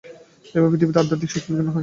এইভাবেই পৃথিবীতে আধ্যাত্মিক শক্তি বিকীর্ণ হয়।